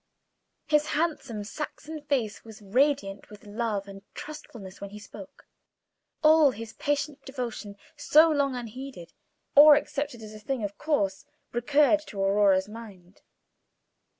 His handsome Saxon face was radiant with love and trustfulness when he spoke. All his patient devotion, so long unheeded, or accepted as a thing of course, recurred to Aurora's mind.